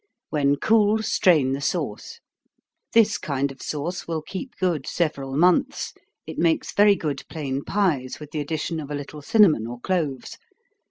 When cool, strain the sauce. This kind of sauce will keep good several months. It makes very good plain pies, with the addition of a little cinnamon or cloves.